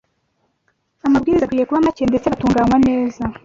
Amabwiriza akwiriye kuba make ndetse agatunganywa neza,